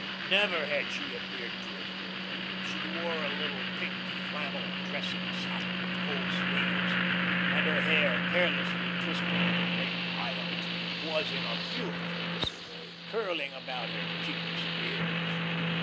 Never had she appeared prettier to him. She wore a little pink flannel dressing sack with full sleeves, and her hair, carelessly twisted into great piles, was in a beautiful disarray, curling about her cheeks and ears.